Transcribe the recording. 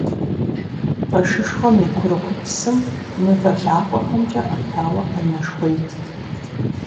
Пэшышхуэм и курыкупсым мывэ лъакъуэхэмкӀэ Ӏэтауэ Ӏэнэшхуэ итт.